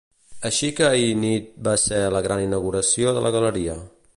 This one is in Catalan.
Així que ahir nit va ser la gran inauguració de la galeria.